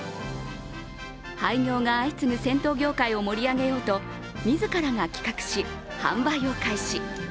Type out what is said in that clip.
廃業が相次ぐ銭湯業界を盛り上げようと自らが企画し、販売を開始。